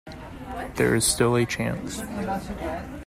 There is still a chance.